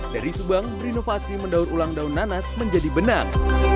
dari subang berinovasi mendaur ulang daun nanas menjadi benang